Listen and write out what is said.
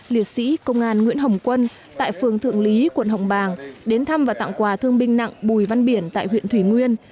liệt sĩ công an nguyễn hồng quân tại phường thượng lý quận hồng bàng đến thăm và tặng quà thương binh nặng bùi văn biển tại huyện thủy nguyên